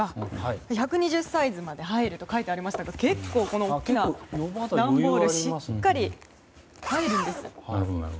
１２０サイズまで入ると書いてありましたが結構、大きな段ボールがしっかり入るんです。